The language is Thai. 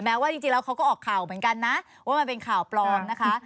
ว่าจริงแล้วเขาก็ออกข่าวเหมือนกันนะว่ามันเป็นข่าวปลอมนะคะ